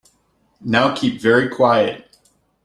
Now keep very quiet.